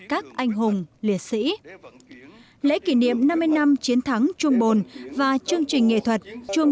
các anh hùng liệt sĩ lễ kỷ niệm năm mươi năm chiến thắng chuồng bồn và chương trình nghệ thuật chuồng